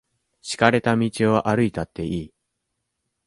敷かれた道を歩いたっていい。